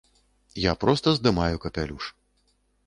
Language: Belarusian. Я проста здымаю капялюш.